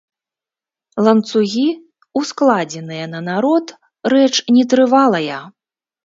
Ланцугі, ускладзеныя на народ, рэч нетрывалая.